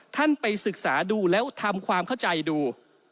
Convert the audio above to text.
ท่านไปศึกษาดูแล้วทำความเข้าใจดู